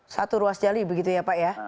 satu ruas jali begitu ya pak ya